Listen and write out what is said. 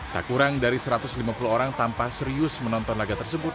tak kurang dari satu ratus lima puluh orang tanpa serius menonton laga tersebut